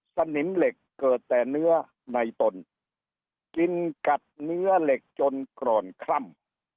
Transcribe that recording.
สนิมเหล็กเกิดแต่เนื้อในตนกินกัดเนื้อเหล็กจนกรอนคล่ำ